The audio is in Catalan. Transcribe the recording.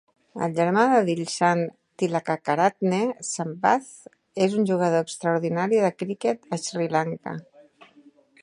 El germà de Dilshan, Tillakaratne Sampath, és un jugador extraordinari de criquet a Sri Lanka.